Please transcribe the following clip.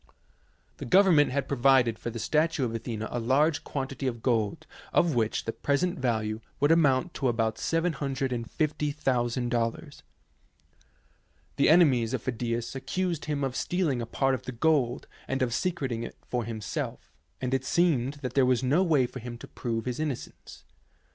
The government had provided for the statue of Athena a large quantity of gold of which the present value would amount to about $750,000. The enemies of Phi dias accused him of stealing a part of the gold and of secreting it for himself, and it seemed that there was no way for him to prove his innocence.